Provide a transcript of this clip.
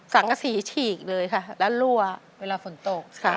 ชักสีฉีกเลยค่ะแล้วลัวเวลาฝนตกค่ะ